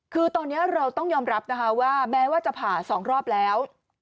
คือตอนนี้เราต้องยอมรับนะคะว่าแม้ว่าจะผ่า๒รอบแล้ว